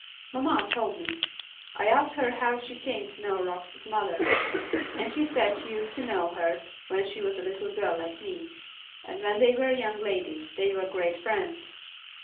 "Mamma told me. I asked her how she came to know Rock's mother, and she said she used to know her when she was a little girl like me and when they were young ladies they were great friends.